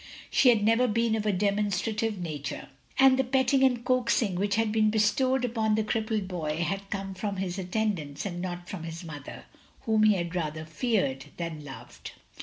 She had never been of a demonstrative nature, and the petting and coaxing which had been bestowed upon the crippled boy had come from his attendants and not from his mother, whom he had rather feared than loved.